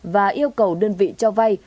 và yêu cầu đơn vị cho vai